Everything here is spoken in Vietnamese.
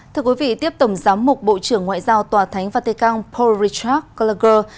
thưa quý vị tiếp tổng giám mục bộ trưởng ngoại giao tòa thánh vatican paul richard gallagher